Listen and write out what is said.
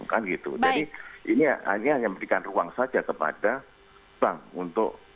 jadi ini hanya memberikan ruang saja kepada bank